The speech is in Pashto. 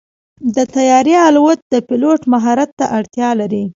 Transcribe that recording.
د طیارې الوت د پيلوټ مهارت ته اړتیا لري.